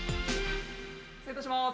失礼いたします。